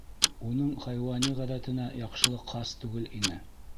Уның хайуани ғәҙәтенә яҡшылыҡ хас түгел ине.